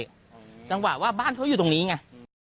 จังหวะว่าบ้านเขาอยู่ตรงนี้ไง